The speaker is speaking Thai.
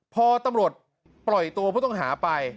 พอตำรวจปล่อยตัวผู้ต้องหาไป